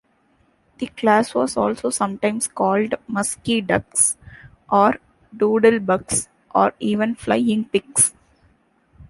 The class was also sometimes called "mucky ducks" or "doodle-bugs" or even "Flying Pigs".